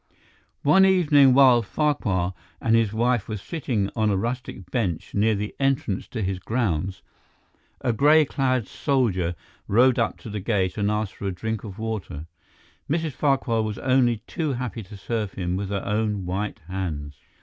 One evening while Farquhar and his wife were sitting on a rustic bench near the entrance to his grounds, a gray clad soldier rode up to the gate and asked for a drink of water. Mrs. Farquhar was only too happy to serve him with her own white hands.